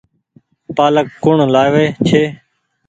پآلڪ ڪوڻ لآوي ڇي۔